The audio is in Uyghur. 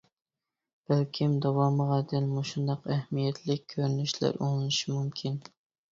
بەلكىم، داۋامىغا دەل مۇشۇنداق ئەھمىيەتلىك كۆرۈنۈشلەر ئۇلىنىشى مۇمكىن.